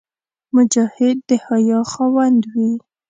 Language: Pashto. مجاهد د حیا خاوند وي.